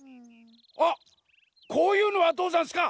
あっこういうのはどうざんすか？